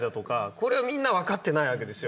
これをみんな分かってないわけですよ。